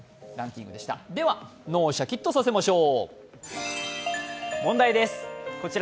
では脳をシャキッとさせましょう。